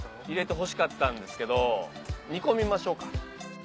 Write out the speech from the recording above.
入れてほしかったんですけど煮込みましょか。